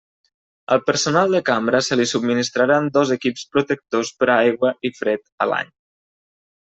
Al personal de cambra se li subministraran dos equips protectors per a aigua i fred a l'any.